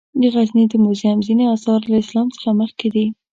د غزني د موزیم ځینې آثار له اسلام څخه مخکې دي.